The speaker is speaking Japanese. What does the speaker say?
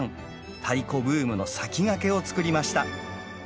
太鼓ブームの先駆けをつくりました。